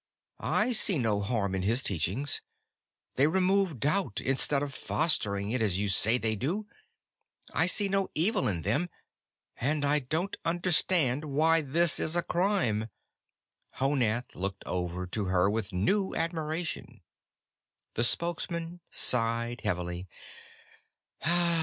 I see no harm in his teachings. They remove doubt, instead of fostering it as you say they do. I see no evil in them, and I don't understand why this is a crime." Honath looked over to her with new admiration. The Spokesman sighed heavily.